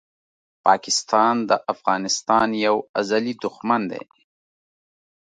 پاکستان د افغانستان یو ازلي دښمن دی!